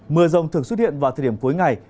mưa rông thường xuất hiện vào thời điểm cuối ngày